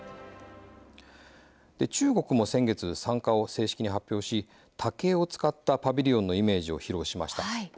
中国も先月、参加を正式に発表し竹を使ったパビリオンのイメージを披露しました。